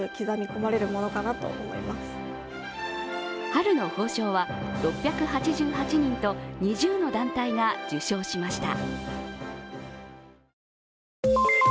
春の褒章は６８８人と２０の団体が受章しました。